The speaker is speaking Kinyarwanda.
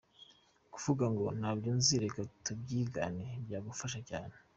Kuvuga ngo, ntabyo nzi, reka tubyigane, byagufasha cyane.